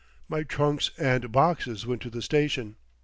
My trunks and boxes went to the station.